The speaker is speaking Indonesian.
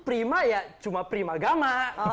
prima ya cuma prima agama